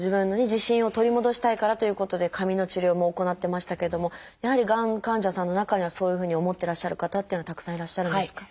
自信を取り戻したいからということで髪の治療も行ってましたけどもやはりがん患者さんの中にはそういうふうに思ってらっしゃる方っていうのはたくさんいらっしゃるんですか？